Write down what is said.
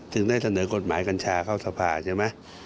ถึงได้เสนอกฎหมายกัญชาเข้าสภาใช่ไหม